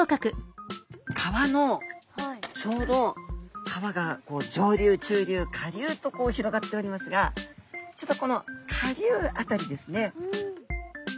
川のちょうど川がこう上流中流下流とこう広がっておりますがちょうどこの下流辺りですね。